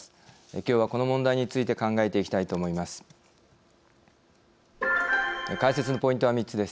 きょうはこの問題について考えていきたいと思います。